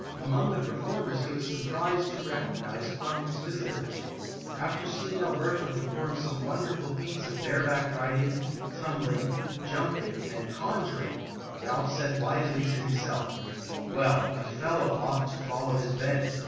Among the per formers he was surprised to recognize Plunkett's visitor ! After seeing Alberto perform some wonderful feats of bareback riding, tumbling, jumping, and conjuring, Ralph said wisely to himself: "Well, a fellow ought to follow his bent.